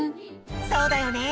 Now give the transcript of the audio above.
そうだよね。